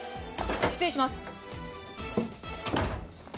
失礼します。